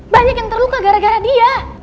banyak yang terluka gara gara dia